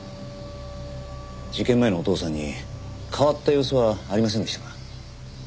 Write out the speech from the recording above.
事件前のお父さんに変わった様子はありませんでしたか？